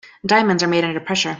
Diamonds are made under pressure.